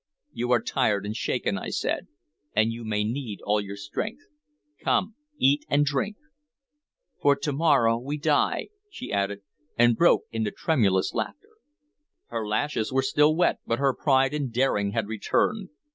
"You are tired and shaken," I said, "and you may need all your strength. Come, eat and drink." "For to morrow we die," she added, and broke into tremulous laughter. Her lashes were still wet, but her pride and daring had returned.